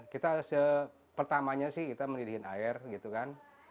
kita sepertamanya sih kita mendidihkan air gitu kan